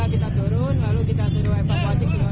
kita turun lalu kita terus evakuasi keluar semua